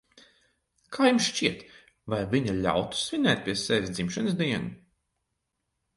Kā jums šķiet, vai viņa ļautu svinēt pie sevis dzimšanas dienu?